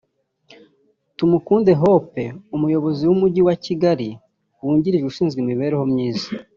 Tumukunde Hope Umuyobozi w’Umujyi wa Kigali wungirije ushinzwe imibereho myiza